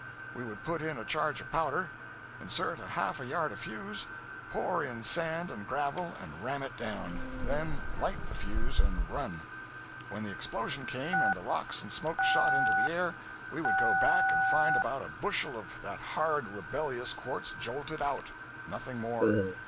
We would put in a charge of powder, insert half a yard of fuse, pour in sand and gravel and ram it down, then light the fuse and run. When the explosion came and the rocks and smoke shot into the air, we would go back and find about a bushel of that hard, rebellious quartz jolted out. Nothing more.